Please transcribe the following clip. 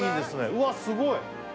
うわすごい！